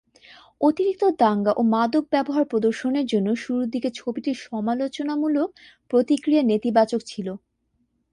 অতিরিক্ত দাঙ্গা ও মাদক ব্যবহার প্রদর্শনের জন্য শুরুর দিকে ছবিটির সমালোচনামূলক প্রতিক্রিয়া নেতিবাচক ছিল।